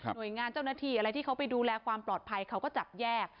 โดยงานเจ้าหน้าที่อะไรที่เขาไปดูแลความปลอดภัยเขาก็จับแยก